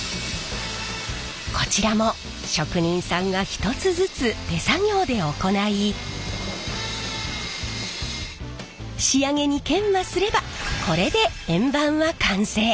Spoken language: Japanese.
こちらも職人さんが１つずつ手作業で行い仕上げに研磨すればこれで円盤は完成！